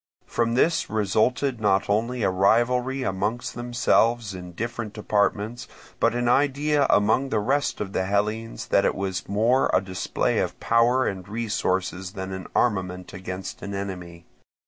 From this resulted not only a rivalry among themselves in their different departments, but an idea among the rest of the Hellenes that it was more a display of power and resources than an armament against an enemy.